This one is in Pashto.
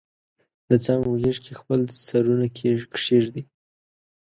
دڅانګو غیږ کې خپل سرونه کښیږدي